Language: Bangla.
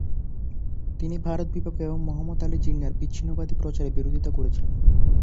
তিনি ভারত বিভাগ এবং মুহাম্মদ আলী জিন্নাহর বিচ্ছিন্নতাবাদী প্রচারের বিরোধিতা করেছিলেন।